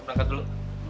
lo berangkat dulu